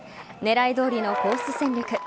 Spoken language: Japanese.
狙いどおりのコース戦略。